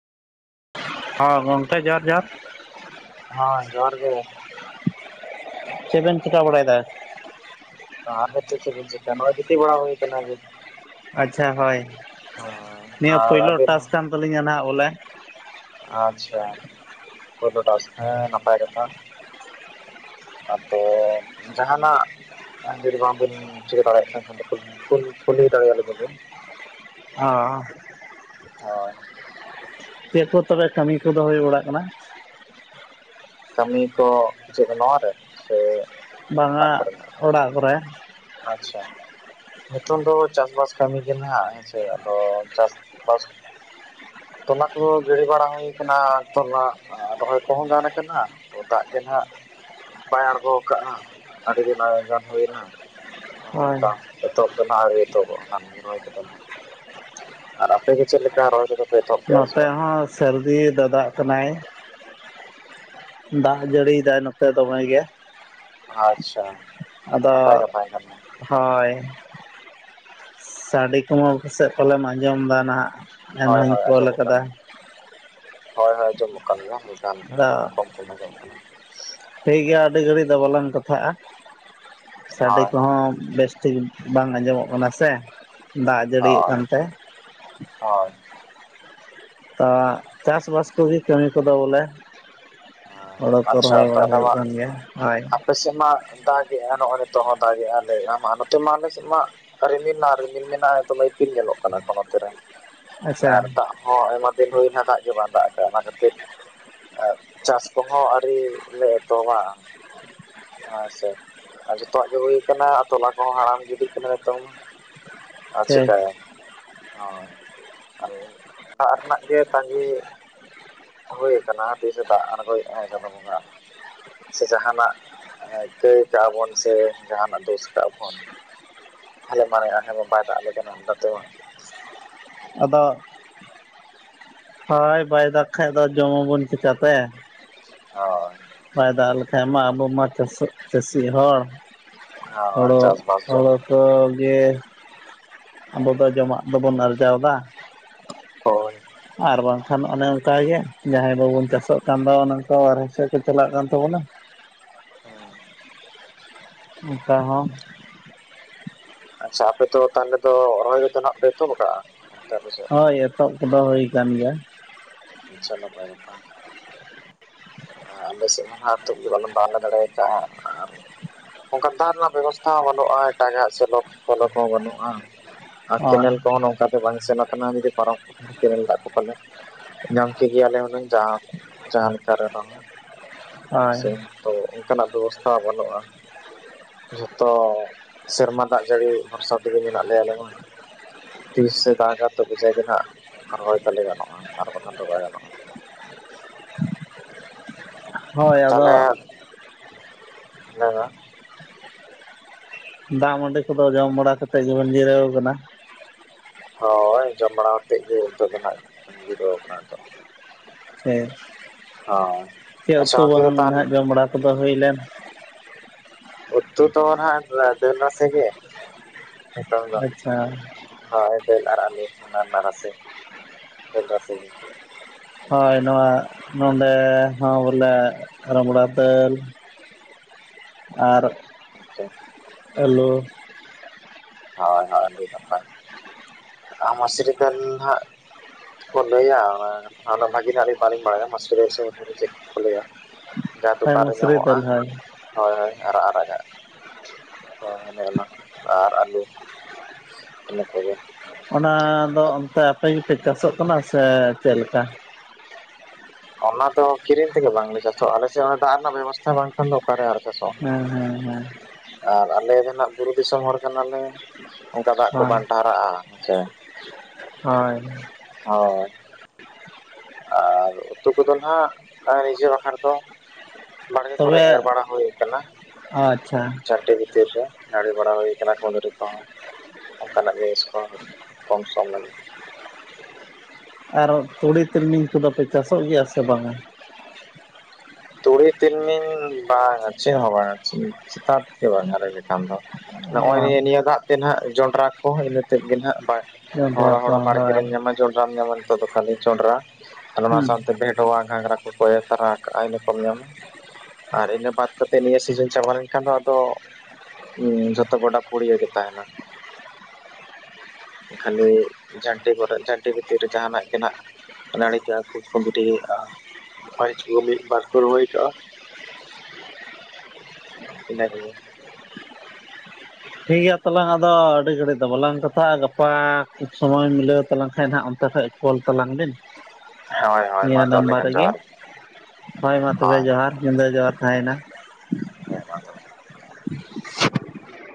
ᱦᱮ ᱜᱚᱢᱠᱮ ᱡᱚᱦᱟᱨ ᱡᱚᱦᱟᱨ ᱦ ᱡᱚᱦᱟᱨ ᱜᱮ ᱪᱮᱵᱮᱱ ᱪᱠᱟ ᱵᱟᱲᱟᱭᱮᱫᱟ ᱟᱨ ᱪᱮ ᱪᱚᱵᱤᱱ ᱜᱤᱛᱤ ᱵᱲᱟ ᱦᱩᱭ ᱠᱟᱱᱟ ᱟᱪᱪᱷᱟ ᱦᱳᱭ ᱦᱳᱭ ᱱᱤᱭᱟᱹ ᱟᱨ ᱯᱳᱭᱞᱳ ᱟᱹᱵᱤᱱ ᱴᱟᱥᱠ ᱦᱚᱸ ᱠᱟᱱ ᱛᱟᱹᱟᱞᱤᱧᱟ ᱱᱟᱦᱟᱜ ᱚᱞᱮ ᱟᱪᱪᱷᱟ ᱯᱳᱭᱞᱳ ᱴᱟᱥ ᱦᱮᱸ ᱱᱟᱯᱟᱭ ᱨᱮ ᱟᱨ ᱛᱚ ᱡᱟᱦᱟᱸᱱᱟᱜ ᱡᱩᱫᱤ ᱵᱟᱝᱵᱤᱱ ᱪᱤᱠᱟᱹ ᱫᱟᱲᱮᱭᱟᱜ ᱠᱟᱱ ᱠᱷᱟᱱ ᱫᱚ ᱠᱩᱞ ᱠᱩᱞ ᱠᱩᱞᱤ ᱫᱟᱲᱮᱭᱟᱞᱤᱧᱟ ᱵᱤᱱ ᱦᱚᱸ ᱦᱳᱭ ᱪᱮᱫ ᱠᱚ ᱛᱚᱵᱮ ᱠᱟᱹᱢᱤ ᱠᱚᱫᱚ ᱦᱩᱭ ᱵᱟᱲᱟᱜ ᱠᱟᱱᱟ ᱠᱟᱹᱢᱤ ᱠᱚ ᱡᱮ ᱱᱚᱣᱟᱣᱟᱨᱮ ᱥᱮ ᱵᱟᱝᱟ ᱚᱲᱟᱜ ᱠᱚᱨᱮᱱᱟᱜ ᱚᱲᱟᱜ ᱠᱚᱨᱮ ᱟᱪᱪᱷᱟ ᱱᱤᱛᱚᱝ ᱫᱚ ᱪᱟᱥᱵᱟᱥ ᱠᱟᱹᱢᱤ ᱜᱮ ᱱᱟᱦᱟᱜ ᱦᱮᱸᱥᱮ ᱟᱫᱚ ᱪᱟᱥ ᱵᱟᱥ ᱛᱚᱞᱟ ᱠᱚᱫᱚ ᱜᱤᱲᱤ ᱵᱟᱲᱟ ᱦᱩᱭ ᱟᱠᱟᱱᱟ ᱛᱚᱞᱟ ᱨᱚᱦᱚᱭ ᱠᱚᱦᱚᱸ ᱜᱟᱱ ᱟᱠᱟᱱᱟ ᱛᱚ ᱫᱟᱜ ᱜᱮ ᱱᱟᱦᱜ ᱵᱟᱭ ᱟᱬᱜᱚ ᱠᱟᱜᱼᱟ ᱟᱹᱰᱤ ᱫᱤᱱ ᱜᱟᱱ ᱦᱩᱭᱱᱟ ᱚᱱᱮ ᱩᱱ ᱦᱳᱭ ᱛᱟᱝ ᱦᱤᱳᱜ ᱫᱚ ᱱᱟᱦᱜ ᱟᱹᱣᱨᱤ ᱮᱛᱚᱦᱚᱵᱚᱜ ᱠᱟᱱᱢᱤ ᱨᱚᱦᱚᱭ ᱠᱚ ᱫᱚ ᱱᱟᱜ ᱟᱨ ᱟᱯᱮᱜᱮ ᱜᱮ ᱪᱮᱫ ᱞᱮᱠᱟ ᱨᱚᱦᱚᱭ ᱠᱚᱫᱚ? ᱯᱮ ᱮᱛᱚᱦᱚᱵ ᱠᱮᱫᱟ ᱥᱮ ᱱᱚᱛᱮ ᱵᱟᱝᱟ ᱦᱚᱸ ᱥᱟᱹᱨᱫᱤ ᱫᱟᱫᱟᱜ ᱠᱟᱱᱟᱭ᱾ ᱫᱟᱜ ᱡᱟᱹᱲᱤᱭ ᱫᱟᱭ ᱱᱚᱛᱮ ᱫᱚᱢᱮ ᱜᱮ᱾ ᱟᱪᱪᱷᱟ ᱱᱟᱯᱟᱭ ᱟᱫᱚ ᱠᱟᱛᱷᱟ ᱠᱟᱱᱟ ᱦᱳᱭ ᱥᱟᱰᱮ ᱠᱚᱞᱮᱢ ᱯᱟᱥᱮᱜ ᱯᱟᱞᱮᱢ ᱟᱸᱡᱚᱢ ᱫᱟ ᱱᱟᱦᱟᱜ ᱦᱳᱭ ᱮᱱᱦᱚᱧ ᱦᱳᱭ ᱠᱚᱞ ᱟᱸᱡᱚᱢᱚᱜ ᱟᱠᱟᱫᱟ᱾ ᱠᱟᱱᱟ ᱦᱳᱭ ᱦᱳᱭ ᱡᱚᱢᱚᱜ ᱠᱟᱱ ᱜᱮᱭᱟ ᱦᱟᱞᱠᱟ ᱦᱟᱱᱠᱟ ᱠᱚᱢ ᱠᱚᱢ ᱢᱚᱡᱚᱜ ᱠᱟᱱᱟ᱾ ᱛᱟ. ᱭ ᱜᱮ ᱟᱹᱰᱤ ᱜᱷᱟᱹᱲᱤᱡ ᱫᱚ ᱵᱟᱞᱟᱝ ᱠᱟᱛᱷᱟᱜᱼᱟ ᱥᱟᱰᱮ ᱦᱳᱭ ᱠᱚᱦᱚᱸ ᱵᱮᱥᱴᱷᱤᱠ ᱵᱟᱝ ᱟᱸᱡᱚᱢᱚᱜ ᱠᱟᱱᱟ ᱥᱮ ᱫᱟᱜ ᱡᱟᱹᱲᱤᱭᱮᱫ ᱦᱳᱭ ᱠᱟᱱᱛᱮ᱾ ᱦᱳᱭ ᱟᱜ ᱪᱟᱥ ᱵᱟᱥ ᱠᱚᱜᱮ ᱠᱟᱹᱢᱤ ᱠᱚᱫᱚ ᱵᱚᱞᱮ ᱦᱮᱸ, ᱦᱳᱲᱳ ᱠᱚ ᱟᱪᱪᱷᱟ ᱨᱚᱦᱚᱭ ᱵᱟᱲᱟ ᱛᱟᱦᱚᱞᱮ ᱦᱩᱭᱩᱜ ᱢᱟ ᱠᱟᱱ ᱜᱮᱭᱟ ᱦᱚᱭ᱾ ᱟᱯᱮ ᱥᱮ ᱢᱟ ᱫᱟᱜᱮᱼᱟ ᱱᱚᱜᱼᱚᱭ ᱱᱤᱛᱚᱜ ᱦᱚᱸ ᱫᱟᱜᱮᱼᱟ᱾ ᱞᱮᱭᱮᱜᱟᱢ ᱟ ᱱᱚᱛᱮ ᱢᱟ ᱟᱞᱮ ᱥᱮᱫ ᱢᱟ᱾ ᱠᱟ ᱨᱤᱢᱤᱞ ᱨᱮᱱᱟᱜ ᱨᱤᱢᱤᱞ ᱢᱮᱱᱟᱜᱼᱟ ᱛᱚᱵᱮ ᱤᱯᱤᱞ ᱧᱮᱞᱚᱜ ᱠᱟᱱᱟ ᱱᱚᱛᱮ ᱨᱮ ᱟᱪᱪᱷᱟ ᱟᱨ ᱫᱟᱜ ᱦᱚᱸ ᱟᱭᱢᱟ ᱫᱤᱱ ᱦᱩᱭᱱᱟ ᱫᱟᱜ ᱜᱮ ᱵᱟᱝ ᱫᱟᱜ ᱥᱟᱭ ᱚᱱᱟ ᱠᱷᱟᱹᱛᱤᱨ ᱮ ᱪᱟᱥ ᱠᱚᱦᱚᱸ ᱟᱨᱤ ᱞᱮ ᱛᱚᱞᱟᱜᱼᱟ ᱦᱮᱸ ᱥᱮ ᱟᱨ ᱡᱚᱛᱚᱣᱟᱜ ᱜᱮ ᱦᱩᱭᱩ ᱟᱠᱟᱱᱟ ᱛᱚᱞᱟ ᱠᱚᱦᱚᱸ ᱦᱟᱲᱟᱢ ᱜᱤᱰᱤ ᱠᱟᱱᱟ ᱱᱤᱛᱚᱝ ᱢᱟᱺ ᱟᱨ ᱴᱷᱤᱠ ᱪᱤᱠᱟᱭᱟᱢ ᱦᱳᱭ ᱟ ᱫᱟᱜ ᱨᱮᱱᱟᱜ ᱜᱮ ᱛᱟᱺᱜᱤ ᱦᱳᱭ ᱟᱠᱟᱱᱟ ᱛᱤᱥᱮ ᱫᱟᱜ ᱟᱬᱜᱳᱭᱮᱜᱼᱟ ᱪᱟᱸᱫᱚ ᱵᱚᱸᱜᱟ᱾ ᱥᱮ ᱡᱟᱦᱟᱱᱟᱜ ᱠᱟᱹᱭ ᱠᱟᱜ ᱵᱚᱱ ᱥᱮ ᱡᱟᱦᱱᱟᱜ ᱫᱳᱥ ᱠᱟᱜᱼᱟ ᱠᱟᱵᱚᱱ᱾ ᱟᱞᱮ ᱢᱟᱱᱮᱜᱼᱟ ᱦᱮᱸ ᱢᱟ ᱵᱟᱭ ᱫᱟᱜ ᱞᱮ ᱠᱟᱱᱟ ᱚᱱᱟᱛᱮ ᱢᱟ᱾ ᱟᱫᱚ ᱦᱳᱭ ᱵᱟᱭ ᱫᱟᱜᱽ ᱠᱷᱟᱱ ᱫᱚ ᱡᱚᱢ ᱟᱵᱚᱱ ᱪᱤᱠᱟᱹᱛᱮ? ᱦᱳᱭ ᱵᱟᱭ ᱫᱟᱜ ᱞᱮᱠᱷᱟᱡ ᱢᱟ ᱟᱵᱚ ᱢᱟ ᱪᱟᱹ ᱪᱟᱹᱥᱤ ᱦᱚᱲ ᱦᱳᱭ ᱦᱳᱲᱚ ᱪᱟᱥᱵᱟᱥ ᱦᱚ ᱡᱮᱢᱚᱱ ᱡᱚᱛᱚ ᱜᱮ ᱟᱵᱚ ᱫᱚ ᱡᱚᱢᱟᱜ ᱫᱚᱵᱚᱱ ᱟᱨᱡᱟᱣ ᱮᱫᱟᱺ ᱦᱳᱭ ᱟᱨ ᱵᱟᱝᱠᱷᱟᱱ ᱚᱱᱮ ᱚᱱᱠᱟᱜᱮ ᱡᱟᱦᱟᱸᱭ ᱵᱟᱵᱚᱱ ᱪᱟᱥᱚᱜ ᱠᱟᱱ ᱫᱚ ᱚᱱᱮ ᱚᱱᱠᱟ ᱵᱟᱨᱦᱮ ᱥᱮᱫ ᱠᱚ ᱪᱟᱞᱟᱜ ᱠᱟᱱ ᱛᱟᱵᱚᱱᱟ᱾ ᱦᱩᱸ ᱚᱱᱠᱟ ᱦᱚᱸ ᱟᱪᱪᱷᱟ ᱟᱯᱮ ᱛᱚ ᱛᱟᱦᱚᱞᱮ ᱫᱚ ᱨᱚᱦᱚᱭ ᱨᱮᱫᱚ ᱱᱟᱜ ᱯᱮ ᱮᱛᱚᱦᱚᱵ ᱟᱠᱟᱜᱼᱟ ᱚᱱᱛᱮ? ᱥᱮᱫ ᱦᱳᱭ ᱮᱛᱚᱦᱚᱵ ᱠᱚᱫᱚ ᱦᱳᱭ ᱟᱠᱟᱱ ᱜᱮᱭᱟ᱾ ᱟᱪᱪᱷᱟ ᱱᱟᱯᱟᱭ ᱠᱟᱛᱷᱟ ᱾ ᱟᱞᱮ ᱥᱮᱫ ᱢᱟ ᱟᱹᱛᱩ ᱜᱮ ᱵᱟᱞᱚᱱ ᱵᱟᱞᱮ ᱫᱟᱲᱮ ᱠᱟᱜᱼᱟ ᱟᱨ ᱚᱱᱠᱟᱱ ᱫᱟᱜ ᱨᱮᱱᱟᱜ ᱵᱮᱵᱚᱥᱛᱷᱟ ᱦᱚᱸ ᱵᱟᱹᱱᱩᱜᱼᱟ, ᱮᱴᱟᱜᱟᱜ ᱥᱮᱞᱳ ᱯᱷᱮᱞᱚ ᱠᱚᱦᱚᱸ ᱵᱟᱹᱱᱩᱜᱼᱟ᱾ ᱟᱨ ᱦᱳᱭ ᱠᱮᱱᱮᱞ ᱠᱚᱦᱚᱸ ᱱᱚᱝᱠᱟ ᱫᱚ ᱵᱟᱝ ᱥᱮᱱ ᱟᱠᱟᱱᱟ ᱡᱩᱫᱤ ᱯᱟᱨᱚᱢ ᱠᱮᱱᱮᱞ ᱫᱟᱜ ᱠᱚ ᱯᱟᱞᱮ ᱧᱟᱢ ᱠᱮᱜᱮᱭᱟᱞᱮ ᱦᱩᱱᱟᱝ ᱡᱟᱦᱟᱸ ᱡᱟᱦᱟᱸ ᱞᱮᱠᱟ ᱨᱮ ᱨᱮᱦᱚᱸ ᱦᱳᱭ ᱥᱮ ᱛᱚ ᱚᱱᱠᱟᱱᱟᱜ ᱵᱮᱵᱚᱥᱛᱷᱟ ᱵᱟᱹᱱᱩᱜᱼᱟ᱾ ᱡᱷᱚᱛᱚ ᱥᱮᱨᱢᱟ ᱫᱟᱜ ᱡᱟᱹᱲᱤ ᱵᱷᱚᱨᱥᱟ ᱛᱮᱜᱮ ᱢᱮᱱᱟᱜ ᱞᱮᱭᱟ ᱟᱞᱮ ᱢᱟ᱾ ᱛᱤᱥ ᱥᱮ ᱫᱟᱜᱽᱼᱟ ᱛᱚᱵᱮ ᱡᱟᱭ ᱜᱮ ᱦᱟᱜ ᱨᱚᱦᱚᱭ ᱛᱟᱞᱮ ᱜᱟᱱᱚᱜᱼᱟ ᱟᱨ ᱵᱟᱝᱠᱷᱟᱱ ᱫᱚ ᱵᱟᱭ ᱜᱟᱱᱚᱜᱼᱟ᱾ ᱦᱳᱭ ᱟᱫᱚ ᱞᱟᱭ ᱢᱮ᱾ ᱫᱟᱜ ᱢᱟᱹᱰᱤ ᱠᱚᱫᱚ ᱡᱚᱢ ᱵᱟᱲᱟ ᱠᱟᱛᱮᱫ ᱜᱮᱵᱚᱱ ᱡᱤᱨᱟᱹᱣ ᱟᱠᱟᱱᱟ᱾ ᱦᱳᱭ ᱡᱚᱢ ᱵᱟᱲᱟᱛᱮᱫ ᱜᱮ ᱱᱤᱛᱚᱜ ᱫᱚ ᱱᱟᱦᱟᱜ ᱡᱤᱨᱟᱹᱣ ᱟᱠᱟᱱᱟ ᱱᱤᱛᱚᱜ ᱥᱮ ᱦᱳᱭ ᱪᱮᱫ ᱟᱪᱪᱷᱟ ᱩᱛᱩ ᱚᱱᱛᱮ ᱵᱟᱝ ᱫᱚ ᱛᱟᱦᱚᱞᱮ ᱱᱟᱦᱟᱜ ᱡᱚᱢ ᱵᱟᱲᱟ ᱠᱚᱫᱚ ᱦᱩᱭ ᱞᱮᱱ? ᱩᱛᱩ ᱛᱚ ᱱᱟᱦᱟᱜ ᱫᱟᱹᱞ ᱨᱟᱥᱮ ᱜᱮ ᱱᱤᱛᱚᱝ ᱫᱚ᱾ ᱟᱪᱪᱷᱟ ᱦᱳᱭ ᱫᱟᱹᱞ ᱟᱨ ᱟᱞᱩ ᱚᱱᱟ ᱨᱮᱱᱟᱜ ᱨᱟᱥᱮ ᱫᱟᱹᱞ ᱨᱟᱥᱮ ᱜᱮ ᱦᱳᱭ ᱱᱚᱣᱟ ᱱᱚᱰᱮ ᱦᱚᱸ ᱵᱚᱞᱮ ᱨᱟᱢᱲᱟ ᱫᱟᱹᱞ᱾ ᱟᱨ ᱟᱪᱪᱷᱟ ᱦᱮᱞᱳ᱾ ᱦᱳᱭ ᱦᱳᱭ ᱟᱹᱰᱤ ᱱᱟᱯᱟᱭ᱾ ᱟ ᱢᱟᱥᱨᱤ ᱫᱟᱹᱞ ᱦᱟᱸᱜ ᱠᱚ ᱞᱟᱹᱭᱟ ᱵᱷᱟᱜᱤ ᱱᱟᱜ ᱵᱟᱹᱞᱤᱧ ᱵᱟᱲᱟᱭᱟ ᱢᱟᱥᱨᱤ ᱥᱮ ᱪᱮᱫ ᱠᱚ ᱞᱟᱹᱭᱟ᱾ ᱡᱟᱦᱟᱸ ᱦᱳᱭ ᱫᱚᱠᱟᱱ ᱨᱮ ᱢᱩᱥᱨᱤ ᱧᱟᱢᱚᱜᱼᱟ᱾ ᱫᱟᱹᱞ ᱦᱳᱭ ᱦᱳᱭ ᱦᱳᱭ ᱟᱨᱟᱜ ᱟᱨᱟᱜᱟᱜ ᱦᱳᱭ ᱚᱱᱮ ᱚᱱᱟ ᱟᱨ ᱟᱞᱩ ᱤᱱᱟᱹ ᱠᱚᱜᱮ᱾ ᱚᱱᱟ ᱫᱚ ᱚᱱᱛᱮ ᱟᱯᱮ ᱜᱮᱯᱮ ᱪᱟᱥᱚᱜ ᱠᱟᱱᱟ ᱥᱮ ᱪᱮᱫ ᱞᱮᱠᱟ? ᱚᱱᱟ ᱫᱚ ᱠᱤᱨᱤᱧ ᱛᱮᱜᱮ ᱵᱟᱝᱞᱮ ᱪᱟᱥᱚᱜᱼᱟ ᱟᱞᱮᱥᱮᱫ ᱚᱱᱟ ᱫᱟᱜ ᱨᱮᱱᱟᱜ ᱵᱮᱵᱚᱥᱛᱷᱟ ᱵᱟᱝᱠᱷᱟᱱ ᱫᱚ ᱚᱠᱟ ᱨᱮ ᱟᱨ ᱪᱟᱥᱚᱜᱼᱟ ᱦᱮᱸ ᱦᱮᱸ ᱦᱮᱸ᱾ ᱟᱨ ᱟᱞᱮ ᱫᱚ ᱱᱟᱜ ᱵᱩᱨᱩ ᱫᱤᱥᱚᱢ ᱦᱚᱲ ᱠᱟᱱᱟᱞᱮ, ᱚᱱᱠᱟ ᱫᱟᱜ ᱠᱚ ᱦᱳᱭ ᱵᱟᱝ ᱴᱷᱟᱨᱟᱜᱼᱟ ᱦᱮᱸᱥᱮ᱾ ᱦᱳᱭ᱾ ᱦᱳᱭ᱾ ᱟᱨ ᱩᱛᱩ ᱠᱚᱫᱚ ᱱᱟᱜ ᱱᱤᱡᱮ ᱵᱟᱠᱷᱨᱟ ᱫᱚ ᱵᱟᱲᱜᱮ ᱠᱚᱨᱮ ᱛᱚᱵᱮ ᱮᱨ ᱵᱟᱲᱟ ᱦᱩᱭ ᱟᱠᱟᱱᱟ᱾ ᱟᱪᱪᱷᱟ, ᱪᱷᱟᱱᱴᱤ ᱵᱷᱤᱛᱤᱨ ᱨᱮ ᱱᱟᱲᱤ ᱵᱟᱲᱟ ᱦᱩᱭ ᱟᱠᱟᱱᱟ ᱠᱩᱸᱫᱽᱨᱤ ᱠᱚ ᱦᱚᱸ᱾ ᱚᱱᱠᱟᱱᱟᱜ ᱡᱤᱱᱤᱥ ᱠᱚ ᱠᱚᱢ ᱥᱚᱢ ᱞᱟᱹᱜᱤᱫ᱾ ᱟᱨ ᱛᱩᱲᱤ ᱛᱤᱞᱢᱤᱧ ᱠᱚ ᱫᱚ ᱯᱮ ᱪᱟᱥᱚᱜ ᱜᱮᱭᱟ ᱥᱮ ᱵᱟᱝᱟ? ᱛᱩᱲᱤ ᱛᱤᱞᱢᱤᱧ ᱵᱟᱝᱟ ᱪᱮᱫ ᱦᱚᱸ ᱵᱟᱝᱟ ᱪᱮᱛᱟᱱ ᱜᱮ ᱵᱟᱝᱟ ᱞᱟᱹᱭ ᱞᱮᱠᱷᱟᱱ ᱫᱚ᱾ ᱱᱚᱜᱼᱚᱭ ᱚ ᱱᱤᱭᱟᱹ ᱱᱤᱭᱟᱹ ᱫᱟᱜ ᱛᱮ ᱱᱟᱜ ᱡᱚᱱᱰᱨᱟ ᱠᱚ ᱤᱱᱟᱹ ᱛᱮᱫ ᱜᱮ ᱦᱟᱜ ᱵᱟᱭ ᱡᱚᱢ ᱵᱟᱲᱟ ᱦᱚᱲᱚ ᱠᱚ ᱦᱚᱲᱚ ᱵᱟᱲᱜᱮ ᱦᱳᱭ ᱨᱮ ᱦᱩᱸ ᱧᱟᱢᱟᱹᱧ ᱡᱚᱸᱰᱨᱟᱢ ᱧᱟᱢᱟ ᱱᱤᱛᱚᱜ ᱫᱚ ᱠᱷᱟᱹᱞᱤ ᱡᱚᱸᱰᱨᱟ᱾ ᱟᱨ ᱚᱱᱟ ᱴᱷᱤᱠ ᱥᱟᱶᱛᱮ ᱵᱷᱮᱰᱣᱟ ᱜᱷᱟᱜᱽᱨᱟ ᱠᱚ ᱠᱚ ᱮᱨ ᱛᱟᱨᱟ ᱠᱟᱜᱼᱟ᱾ ᱠᱚᱢ ᱧᱟᱢ᱾ ᱟᱨ ᱤᱱᱟᱹ ᱵᱟᱫ ᱠᱟᱛᱮᱜ ᱱᱤᱭᱟᱹ ᱥᱤᱡᱤᱱ ᱪᱟᱵᱟ ᱞᱮᱱᱠᱷᱟᱱ ᱫᱚ ᱟᱫᱚ ᱦᱩᱸ ᱡᱷᱚᱛᱚ ᱜᱚᱰᱟ ᱯᱩᱲᱭᱟᱹ ᱜᱮ ᱛᱟᱦᱮᱱᱟ᱾ ᱠᱷᱟᱹᱞᱤ ᱡᱷᱟᱹᱱᱴᱤ ᱠᱚ ᱨᱮ ᱡᱷᱟᱹᱱᱴᱤ ᱵᱷᱤᱛᱤᱨ ᱨᱮ ᱡᱟᱦᱟᱱᱟᱜ ᱜᱮ ᱱᱟᱜ ᱱᱟᱹᱲᱤ ᱠᱟᱜ-ᱟ ᱠᱚ ᱠᱩᱫᱽᱨᱤ ᱟ ᱢᱟᱹᱨᱤᱪ ᱠᱚ ᱢᱤᱫ ᱵᱟᱨ ᱠᱚ ᱨᱚᱦᱚᱭ ᱠᱟᱜᱼᱟ᱾ ᱤᱱᱟᱹ ᱠᱚ ᱜᱮ᱾ ᱴᱷᱤᱠ ᱜᱮᱭᱟ ᱛᱟᱞᱟᱝ ᱟᱫᱚ ᱟᱹᱰᱤ ᱜᱷᱟᱹᱲᱤᱡ ᱫᱚ ᱵᱟᱞᱟᱝ ᱠᱟᱛᱷᱟᱜᱼᱟ᱾ ᱜᱟᱯᱟ ᱠᱷᱩᱵ ᱥᱚᱢᱚᱭ ᱢᱤᱞᱟᱹᱣ ᱛᱟᱞᱟᱝ ᱠᱷᱟᱱ ᱱᱟᱜ ᱚᱱᱛᱮ ᱛᱮᱡ ᱠᱚᱞ ᱛᱟᱞᱟᱝ ᱵᱤᱱ ᱦᱳᱭ ᱦᱳᱭ ᱱᱤᱭᱟᱹ ᱢᱟ ᱛᱟᱦᱚᱞᱮ ᱱᱟᱢᱵᱟᱨ ᱠᱷᱟᱱ ᱨᱮᱜᱮ᱾ ᱡᱚᱦᱟᱨ ᱜᱮ ᱦᱳᱭ ᱢᱟ ᱛᱚᱵᱮ ᱡᱚᱦᱟᱨ ᱧᱤᱫᱟᱹ ᱡᱚᱦᱟᱨ ᱛᱟᱦᱮᱸᱭᱮᱱᱟ᱾ ᱦᱮᱸ ᱢᱟ ᱛᱚᱵᱮ